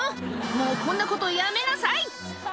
もうこんなことやめなさい